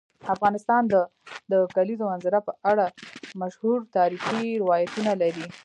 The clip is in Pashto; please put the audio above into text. افغانستان د د کلیزو منظره په اړه مشهور تاریخی روایتونه لري.